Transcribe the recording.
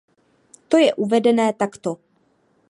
To je uvedené takto.